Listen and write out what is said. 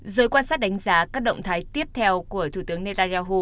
giới quan sát đánh giá các động thái tiếp theo của thủ tướng netanyahu